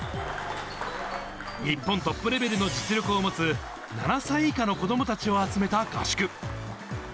日本トップレベルの実力を持つ７歳以下の子どもたちを集めた合宿。